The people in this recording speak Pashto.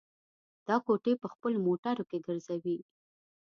دا کوټې په خپلو موټرو کې ګرځوي.